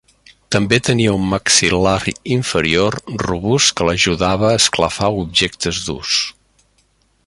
També tenia un maxil·lar inferior robust que l'ajudava a esclafar objectes durs.